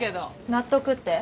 納得って？